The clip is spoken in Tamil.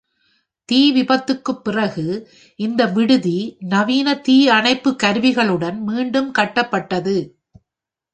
தீ விபத்துக்குப் பிறகு இந்த விடுதி, நவீன தீ அணைப்பு கருவிகளுடன் மீண்டும் கட்டப்பட்டது.